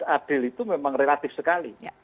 adil itu memang relatif sekali